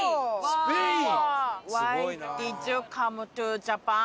スペイン！